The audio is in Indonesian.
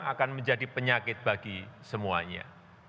akan menjadi penyakit bagi semuanya